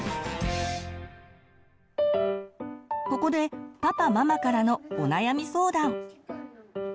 ここでパパママからのお悩み相談。